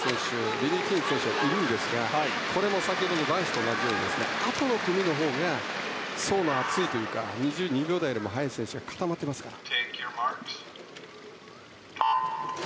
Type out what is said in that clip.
リリー・キング選手がいるんですがこれも先ほどの男子と同じようにあとの組のほうが層が厚いというか２２秒台よりも速い選手が固まっていますから。